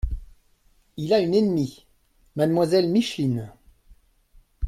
Il a une ennemie : mademoiselle Micheline !